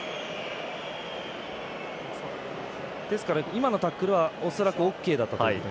今のタックルは恐らくオーケーだったと。